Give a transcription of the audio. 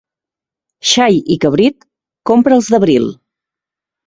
Xai i cabrit, compra'ls d'abril.